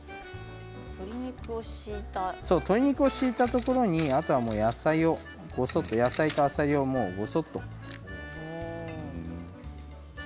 鶏肉を敷いたところにあとは野菜をごそっと野菜と、あさりをごそっと。